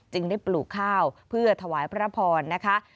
ได้ปลูกข้าวเพื่อถวายพระพรนะคะ